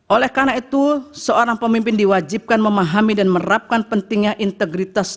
oleh karena itu seorang pemimpin diwajibkan memahami dan merapkan pentingnya integritas